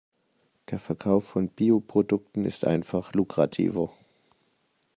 Der Verkauf von Bio-Produkten ist einfach lukrativer.